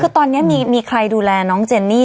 คือตอนนี้มีใครดูแลน้องเจนนี่